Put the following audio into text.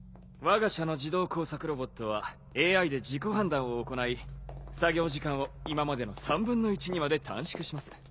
わが社の自動工作ロボットはＡＩで自己判断を行い作業時間を今までの３分の１にまで短縮します。